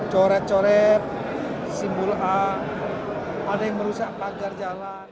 coret coret simbol a ada yang merusak pagar jalan